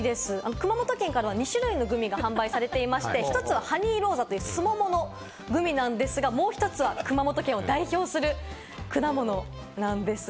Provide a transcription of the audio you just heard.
熊本県からは２種類のグミが販売されていまして、１つはハニーローザというすもものグミなんですが、もう１つは熊本県を代表する果物なんです。